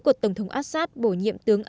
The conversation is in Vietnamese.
của tổng thống al assad bổ nhiệm tướng